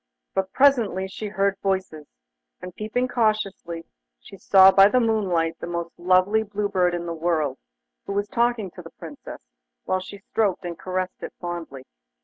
But presently she heard voices, and peeping cautiously, she saw by the moonlight the most lovely blue bird in the world, who was talking to the Princess, while she stroked and caressed it fondly.